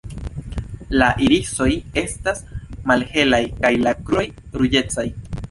La irisoj estas malhelaj kaj la kruroj ruĝecaj.